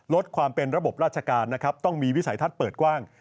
ลดความเป็นระบบราชการนะครับต้องมีวิสัยทัศน์เปิดกว้าง